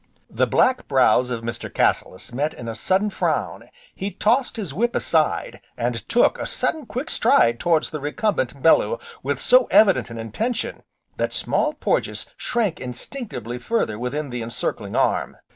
The black brows of Mr. Cassilis met in a sudden frown, he tossed his whip aside, and took a sudden quick stride towards the recumbent Bellew with so evident an intention, that Small Porges shrank instinctively further within the encircling arm.